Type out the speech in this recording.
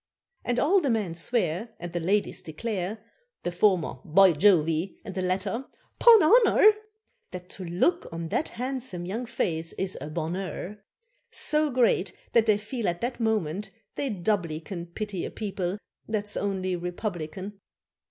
And all the men swear, And the ladies declare, The former "by Jove," and the latter "'pon honour," That to look on that handsome young face is a bonheur, So great that they feel at that moment they doubly can Pity a people that's only republican.